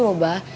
itu loh abah